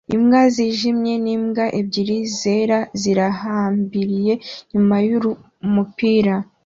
Imbwa yijimye nimbwa ebyiri zera zirahambiriye nyuma yumupira